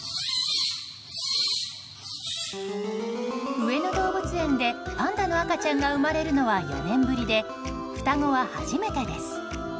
上野動物園でパンダの赤ちゃんが生まれるのは４年ぶりで双子は初めてです。